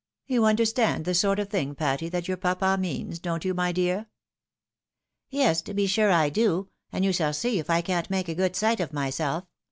You understand the sort of thing, Patty, that your papa means, don't you, my dear ?"" Yes, to be sure I do, and you shall see if I can't make a good sight of myself